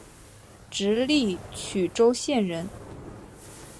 直隶曲周县人。